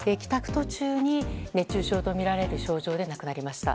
途中に熱中症とみられる症状で亡くなりました。